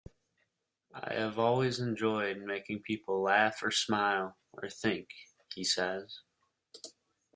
I have always enjoyed making people laugh or smile or think, he says.